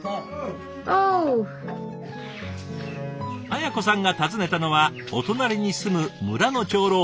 文子さんが訪ねたのはお隣に住む村の長老